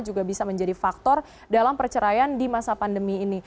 juga bisa menjadi faktor dalam perceraian di masa pandemi ini